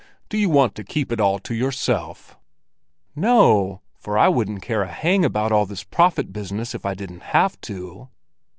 Do you want to keep it all to yourself?" "No, for I wouldn't care a hang about all this prophet business if I didn't have to."